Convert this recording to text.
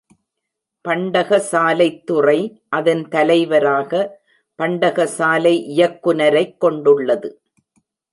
பண்டகசாலைத் துறை அதன் தலைவராக பண்டகசாலை இயக்குநரைக் கொண்டுள்ளது.